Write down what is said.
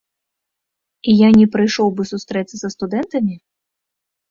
І я не прыйшоў бы сустрэцца са студэнтамі?